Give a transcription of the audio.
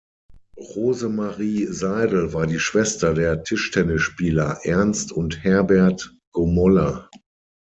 Rosemarie Seidel war die Schwester der Tischtennisspieler Ernst und Herbert Gomolla.